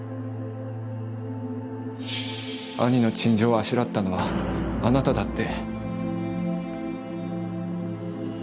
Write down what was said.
兄の陳情をあしらったのはあなただって。